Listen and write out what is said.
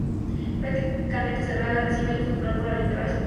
Prácticamente cerrada, recibe luz natural por una linterna central.